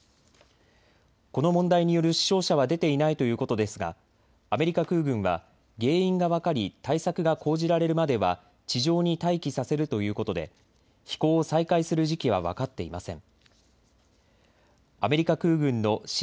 この問題による死傷者は出ていないということですがアメリカ空軍は原因が分かり対策が講じられるまでは地上に待機させるということで飛行を再開する時期は分かっていません。